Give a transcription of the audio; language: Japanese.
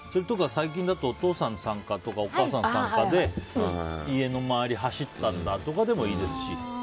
最近だとお父さん参加とかお母さん参加で家の周りを走ったんだとかでもいいですし。